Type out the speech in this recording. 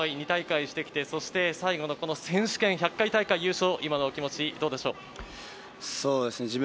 ２大会してきて、最後のこの選手権１００回大会優勝、今のお気持ちどうですか？